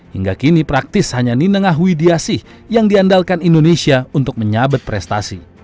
hingga kini praktis hanya ninengah widiasih yang diandalkan indonesia untuk menyabet prestasi